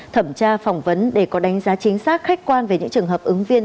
thẩm tra phỏng vấn để có đánh giá chính xác khách quan về những trường hợp ứng viên